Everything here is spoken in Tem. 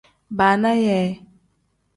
Baana yee.